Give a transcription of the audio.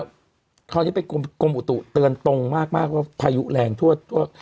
เขาอันนี้เป็นกรมอุตุเตือนตรงมากมากว่าพายุแรงทั่วทั่ว